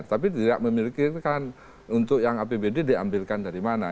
tapi tidak memiliki kan untuk yang apbd diambilkan dari mana